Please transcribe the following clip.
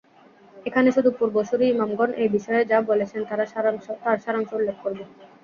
এখানে শুধু পূর্বসূরি ইমামগণ এ বিষয়ে যা বলেছেন তার সারাংশ উল্লেখ করব।